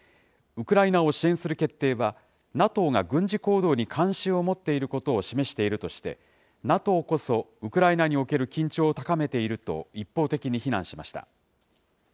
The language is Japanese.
ウクライナを支援する決定は、ＮＡＴＯが軍事行動に関心を持っていることを示しているとして、ＮＡＴＯこそ、ウクライナにおける緊張を高めていると、一方的に非難しました。